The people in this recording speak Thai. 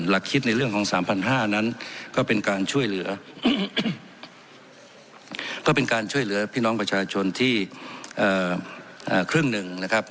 หลักคิดในเรื่องของ๓๕๐๐บาทนั้นก็เป็นการช่วยเหลือพี่น้องประชาชนที่ครึ่งหนึ่งนะครับ